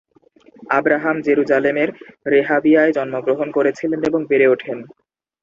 Abraham জেরুজালেমের রেহাবিয়ায় জন্মগ্রহণ করেছিলেন এবং বেড়ে ওঠেন।